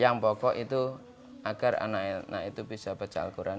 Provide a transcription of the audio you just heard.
yang pokok itu agar anak anak itu bisa baca al quran